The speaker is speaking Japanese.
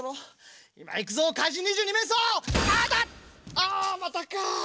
ああまたか！